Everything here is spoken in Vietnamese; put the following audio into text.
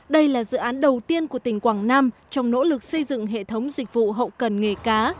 đây là dự án đầu tiên của tỉnh quảng nam trong nỗ lực xây dựng hệ thống dịch vụ hậu cần nghề cá